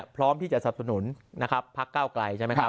พร้อมที่จะสนุนพักเข้ากลาย